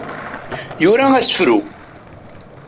Yura asefru.